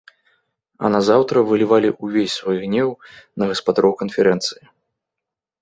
А назаўтра вылівалі ўвесь свой гнеў на гаспадароў канферэнцыі.